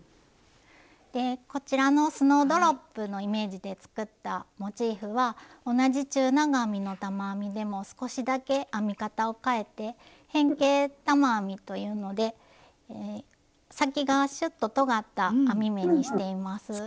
でこちらのスノードロップのイメージで作ったモチーフは同じ中長編みの玉編みでも少しだけ編み方をかえて「変形玉編み」というので先がシュッととがった編み目にしています。